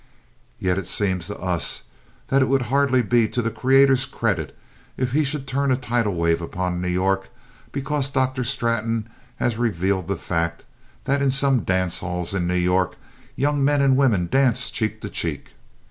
Yet it seems to us that it would hardly be to the Creator's credit if he should turn a tidal wave upon New York because Dr. Straton has revealed the fact, that in some dance halls in New York, young men and women dance cheek to cheek.